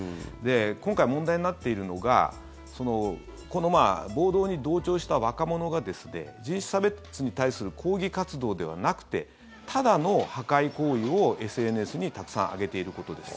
今回、問題になっているのがこの暴動に同調した若者が人種差別に対する抗議活動ではなくてただの破壊行為を、ＳＮＳにたくさん上げていることです。